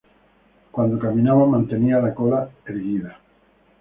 Cuando caminaba mantenía la cola erguida.